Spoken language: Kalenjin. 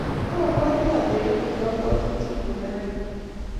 Mabwaati atebenini kabwatutikuuk raini